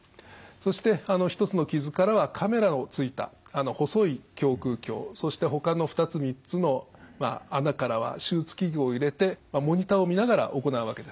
そして１つの傷からはカメラのついた細い胸腔鏡そしてほかの２つ３つの穴からは手術器具を入れてモニターを見ながら行うわけです。